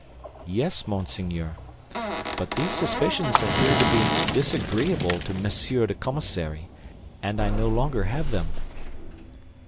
"Yes, monseigneur; but these suspicions appeared to be disagreeable to Monsieur the Commissary, and I no longer have them."